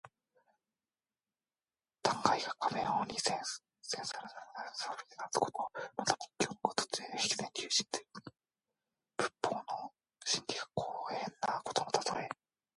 断崖が壁のように千仞も高く切り立ちそびえていること。また仏教の語として「へきりゅうせんじん」と読み、仏法の真理が高遠なことのたとえ。